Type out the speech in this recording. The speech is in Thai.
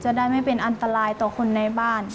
จะได้ไม่เป็นอันตรายต่อคนในบ้าน